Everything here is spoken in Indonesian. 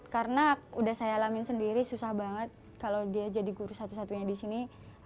karena udah saya alamin sendiri susah banget kalau dia jadi guru satu satunya di sini